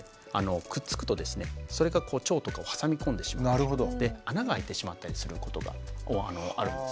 それが腸とかを挟み込んでしまって穴があいてしまったりすることがあるんですね。